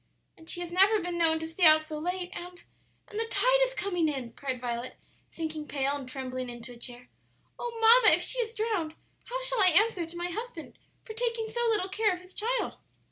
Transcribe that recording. "And she has never been known to stay out so late; and and the tide is coming in," cried Violet, sinking pale and trembling into a chair. "Oh, mamma, if she is drowned, how shall I answer to my husband for taking so little care of his child?"